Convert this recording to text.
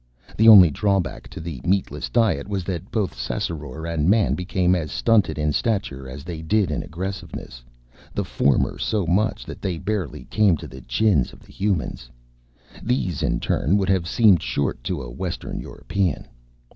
The only drawback to the meatless diet was that both Ssassaror and Man became as stunted in stature as they did in aggressiveness, the former so much so that they barely came to the chins of the Humans. These, in turn, would have seemed short to a Western European.